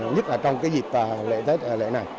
nhất là trong dịp lễ này